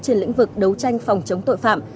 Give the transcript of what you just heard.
trên lĩnh vực đấu tranh phòng chống tội phạm